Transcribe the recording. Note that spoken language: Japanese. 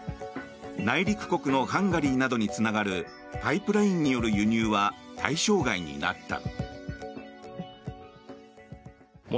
内陸国のハンガリーなどにつながるパイプラインによる輸入は対象外になった。